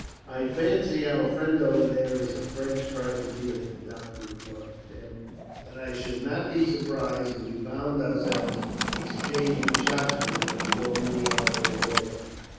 "I fancy our friend over there is a French privateer," the doctor remarked to him; "and I should not be surprised if we found ourselves exchanging shots with her, before many hours are over."